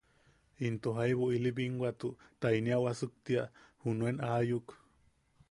Into jaibu ili binwatu ta inia wuasuktia junuen aayuk.